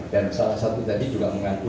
dan salah satu tadi juga mengakui